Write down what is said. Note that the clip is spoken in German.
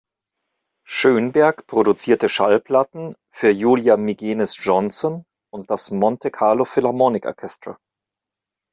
Schönberg produzierte Schallplatten für Julia Migenes-Johnson und das Monte Carlo Philharmonic Orchestra.